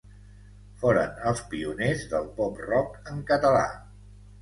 Foren els pioners del pop-rock en català.